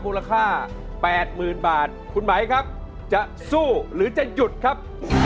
แปดหมื่นบาทคุณหมายครับจะสู้หรือจะหยุดครับ